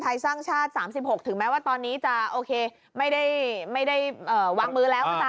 อากาศว้างมือไปแล้ว